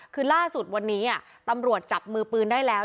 คือล่าสุดวันนี้ตำรวจจับมือปืนได้แล้ว